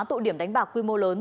tụ điểm đánh bạc quy mô lớn